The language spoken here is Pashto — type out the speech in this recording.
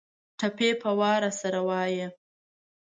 ټپې په وار راسره وايه